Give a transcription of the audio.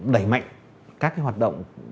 đẩy mạnh các hoạt động